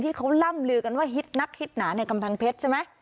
ที่เขาล่ำลือกันว่าฮิตนักฮิตหนาในกำแพงเพชรใช่ไหม